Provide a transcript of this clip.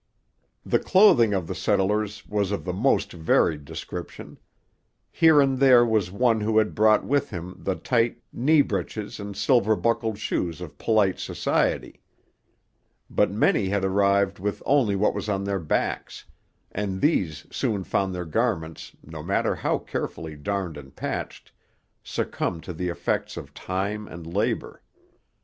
The clothing of the settlers was of the most varied description. Here and there was one who had brought with him the tight knee breeches and silver buckled shoes of polite society. But many had arrived with only what was on their backs; and these soon found their garments, no matter how carefully darned and patched, succumb to the effects of time and labour.